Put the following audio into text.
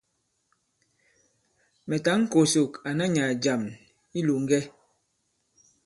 Mɛ̀ tǎŋ kòsòk àna nyàà jàm i ilòŋgɛ.